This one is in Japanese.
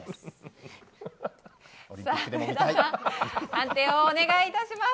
上田さん、判定お願いします。